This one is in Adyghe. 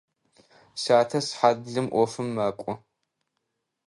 Сятэ сыхьат блым ӏофым мэкӏо.